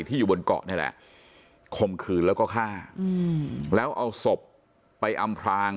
อยู่บนเกาะนี่แหละข่มขืนแล้วก็ฆ่าแล้วเอาศพไปอำพราง